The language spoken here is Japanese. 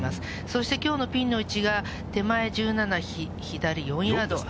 そしてきょうのピンの位置が、手前１７左４ヤード。